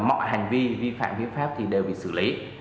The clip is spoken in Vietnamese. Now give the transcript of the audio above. mọi hành vi vi phạm hiến pháp thì đều bị xử lý